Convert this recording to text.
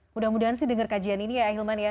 mudah mudahan sih dengar kajian ini ya ahilman ya